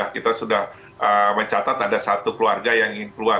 kita sudah mencatat ada satu keluarga yang ingin keluar